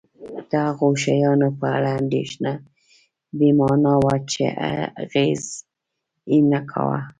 د هغو شیانو په اړه اندېښنه بې مانا وه چې اغېز یې نه کاوه.